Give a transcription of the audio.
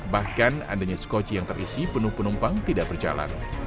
bahkan andainya skocie yang terisi penuh penumpang tidak berjalan